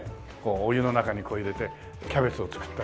お湯の中に入れてキャベツを作ったりとかね。